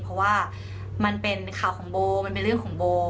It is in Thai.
เพราะว่ามันเป็นข่าวของโบมันเป็นเรื่องของโบ